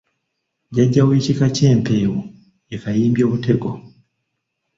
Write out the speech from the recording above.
Jjajja w’ekika ky’empeewo ye Kayimbyobutego.